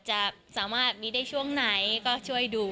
จะสามารถมีได้ช่วงไหนก็ช่วยดู